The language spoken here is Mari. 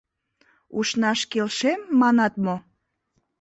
Ушнаш келшем, манат мо?